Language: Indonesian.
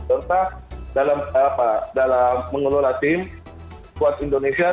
serta dalam mengelola tim kuat indonesia